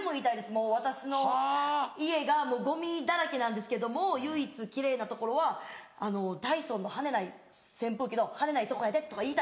もう私の家がゴミだらけなんですけども唯一奇麗なところはダイソンの羽根ない扇風機の羽根ないとこやでとか言いたい。